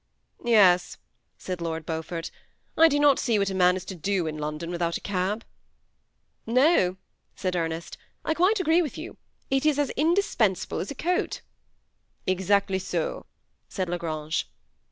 " Yes," said Lord Beaufort ;" I do not see what a man is to do in London without a cab." " No," said Ernest, " I quite agree with you ; it is as indispensable as a coat." " Exactly so," said La Grange.